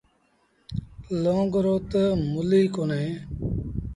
لونگ رو تا مُل ئي ڪونهي۔